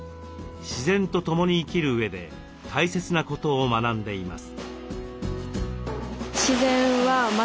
自然と共に生きるうえで大切なことを学んでいます。